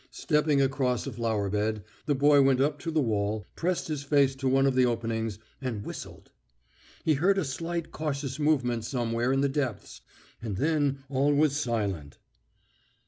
Stepping across a flower bed, the boy went up to the wall, pressed his face to one of the openings, and whistled. He heard a slight cautious movement somewhere in the depths, and then all was silent.